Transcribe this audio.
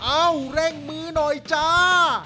เร่งมือหน่อยจ้า